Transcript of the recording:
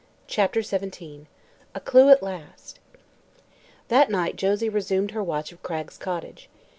CHAPTER XVII A CLEW AT LAST That night Josie resumed her watch of Cragg's cottage.